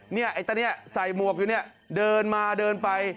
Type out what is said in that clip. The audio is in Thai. เนี่ยไอ้ตาเนี่ยใส่มวกอยู่นี่เดินมาเดินไป